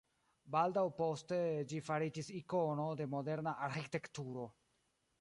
Baldaŭ poste ĝi fariĝis ikono de moderna arĥitekturo.